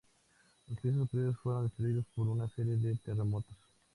Los pisos superiores fueron destruidos por una serie de terremotos.